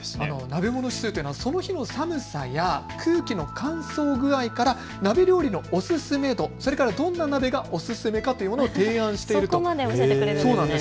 鍋もの指数というのはその日の寒さや空気の乾燥具合から鍋料理のおすすめ度、それからどんな鍋がおすすめかというのを提案している。